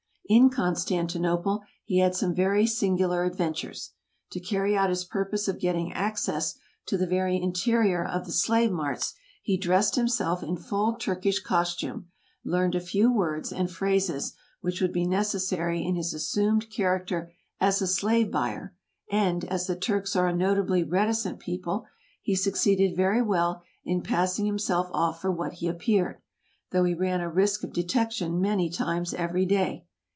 In Constantinople he had some very singular adventures. To carry out his purpose of getting access to the very interior of the slave marts, he dressed himself in full Turkish costume, learned a few words and phrases which would be necessary in his assumed character as a slave buyer, and, as the Turks are a notably reticent people, he succeeded very well in passing himself off for what he appeared, though he ran a risk of detection many times every day.